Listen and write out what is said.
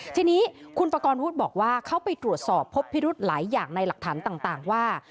ทีนี้คุณประกอบวุฒิบอกว่าเขาไปตรวจสอบพบพิรุธหลายอย่างในหลักฐานต่างว่า